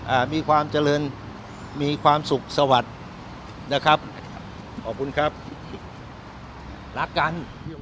อ่ามีความเจริญมีความสุขสวัสดิ์นะครับขอบคุณครับรักกัน